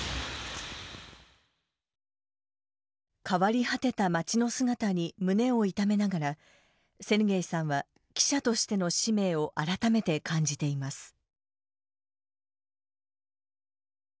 変わり果てた街の姿に胸を痛めながらセルゲイさんは記者としての使命を改めて感じています。